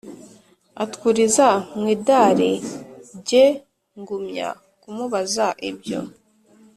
atwuriza mwidari jye ngumya kumubaza ibyo